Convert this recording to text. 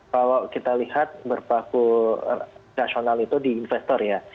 kalau kita lihat berpaku nasional itu di investor ya